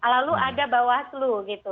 lalu ada bawaslu gitu